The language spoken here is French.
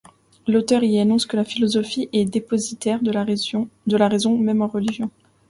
L'auteur y énonce que la philosophie est dépositaire de la raison, même en religion.